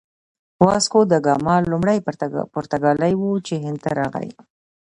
واسکوداګاما لومړی پرتګالی و چې هند ته راغی.